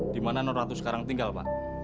di mana ratu sekarang tinggal pak